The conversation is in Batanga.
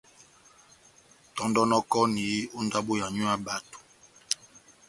Tɔ́ndɔnɔkɔni ó ndábo yanywu ya bato.